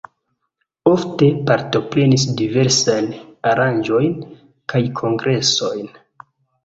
Ofte partoprenis diversajn aranĝojn kaj kongresojn.